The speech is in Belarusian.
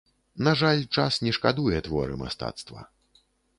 На жаль, час не шкадуе творы мастацтва.